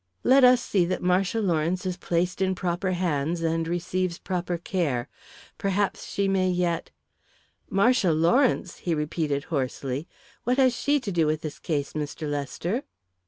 Let us see that Marcia Lawrence is placed in proper hands and receives proper care. Perhaps she may yet " "Marcia Lawrence!" he repeated hoarsely. "What has she to do with this case, Mr. Lester?"